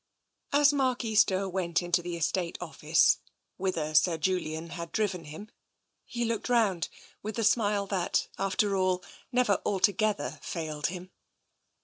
As Mark Easter went into the estate office, whither Sir Julian had driven him, he looked round with the smile that, after all, never altogether failed him.